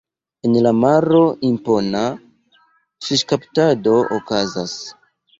En la maro impona fiŝkaptado okazas.